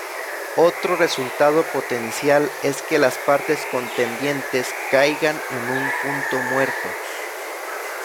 Otro resultado potencial es que las partes contendientes caigan en un punto muerto.